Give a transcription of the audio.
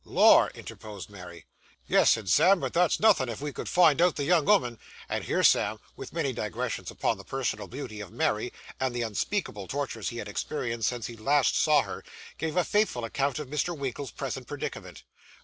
'Lor!' interposed Mary. 'Yes,' said Sam; 'but that's nothin' if we could find out the young 'ooman;' and here Sam, with many digressions upon the personal beauty of Mary, and the unspeakable tortures he had experienced since he last saw her, gave a faithful account of Mr. Winkle's present predicament.